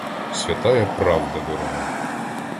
Святая правда дорога!